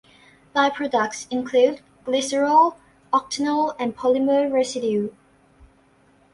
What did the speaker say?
Byproducts include glycerol, octanol and polymer residue.